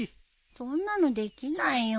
そんなのできないよ。